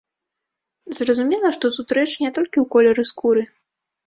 Зразумела, што тут рэч не толькі ў колеры скуры.